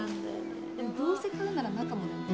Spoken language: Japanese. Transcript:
でもどうせ買うなら中も